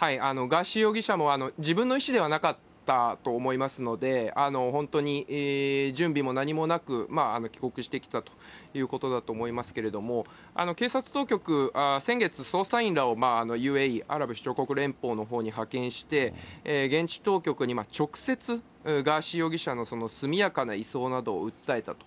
ガーシー容疑者も自分の意思ではなかったと思いますので、本当に準備も何もなく、帰国してきたということだと思いますけれども、警察当局、先月、捜査員らをＵＡＥ・アラブ首長国連邦のほうに派遣して、現地当局に直接ガーシー容疑者の速やかな移送などを訴えたと。